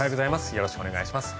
よろしくお願いします。